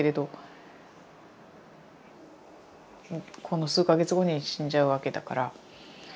この数か月後に死んじゃうわけだから。